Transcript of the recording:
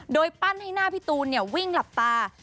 โดยปั้นให้หน้าพี่ตูนวิ่งหลับตา